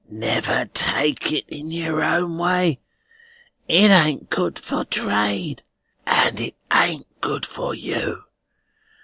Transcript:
"Never take it your own way. It ain't good for trade, and it ain't good for you.